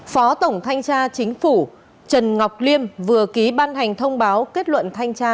phó tổng thanh tra chính phủ trần ngọc liêm vừa ký ban hành thông báo kết luận thanh tra